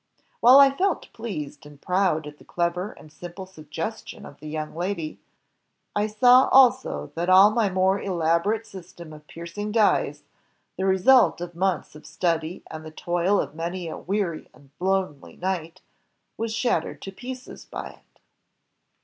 While I felt pleased and proud at the clever and simple suggestion of the young lady, I saw also that all my more elaborate system of piercing dies, the result of months of study, and the toil of many a weary and lonely night, was shattered to pieces by it."